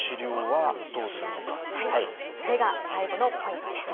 はいそれが最後のポイントです。